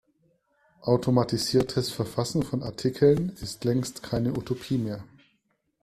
Automatisiertes Verfassen von Artikeln ist längst keine Utopie mehr.